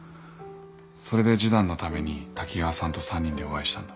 それで示談のために滝川さんと３人でお会いしたんだ